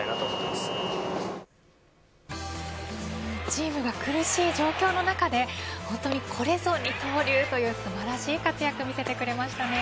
チームが苦しい状況の中で本当にこれぞ二刀流、という素晴らしい活躍を見せてくれましたね。